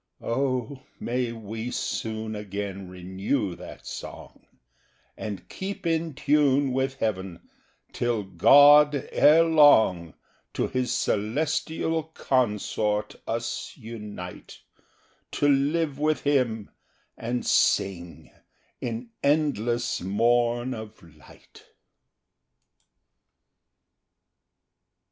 O, may we soon again renew that song, 25 And keep in tune with Heaven, till God ere long To his celestial consort us unite, To live with Him, and sing in endless morn of light!